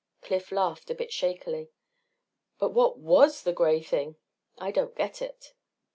Cliff laughed a bit shakily. "But what was this gray thing? I don't get it."